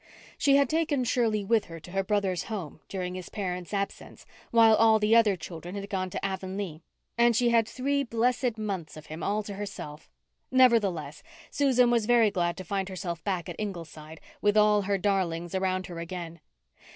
She had taken Shirley with her to her brother's home during his parents' absence, while all the other children had gone to Avonlea, and she had three blessed months of him all to herself. Nevertheless, Susan was very glad to find herself back at Ingleside, with all her darlings around her again.